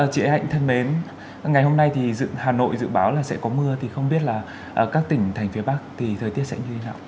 chị hạnh thân mến ngày hôm nay thì hà nội dự báo là sẽ có mưa thì không biết là các tỉnh thành phía bắc thì thời tiết sẽ như thế nào